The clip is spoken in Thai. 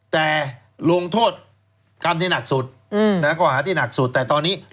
แต่ลงโทษกรรมที่หนักสุดข้อหาที่หนักสุดแต่ตอนนี้